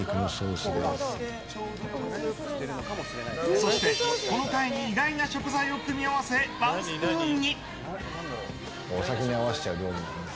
そして、この貝に意外な食品を組み合わせワンスプーンに。